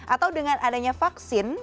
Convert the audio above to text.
atau dengan adanya vaksin